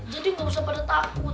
jadi enggak usah pada takut